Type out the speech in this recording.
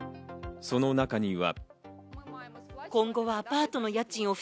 その中には。